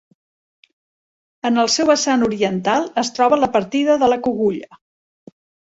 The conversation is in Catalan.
En el seu vessant oriental es troba la partida de la Cogulla.